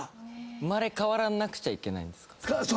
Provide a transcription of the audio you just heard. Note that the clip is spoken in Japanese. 生まれ変わらなくちゃいけない？